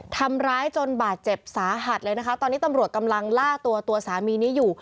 ทำร้ายจนบาดเจ็บสาหัสเลยนะคะตอนนี้ตำรวจกำลังล่าตัวตัวสามีนี้อยู่